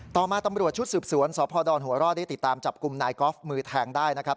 ต่อมาตำรวจชุดสืบสวนสพดหัวร่อได้ติดตามจับกลุ่มนายกอล์ฟมือแทงได้นะครับ